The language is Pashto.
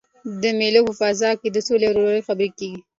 د مېلو په فضا کښي د سولي او ورورولۍ خبري کېږي.